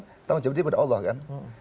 tanggung jawabnya pada allah kan